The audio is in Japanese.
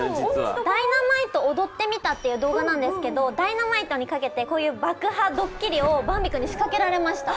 「Ｄｙｎａｍｉｔｅ踊ってみた」という動画なんですが、「Ｄｙｎａｍｉｔｅ」にかけてこういうドッキリをヴァンビ君に仕掛けられました。